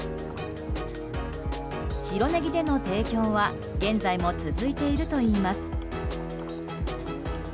白ネギでの提供は現在も続いているといいます。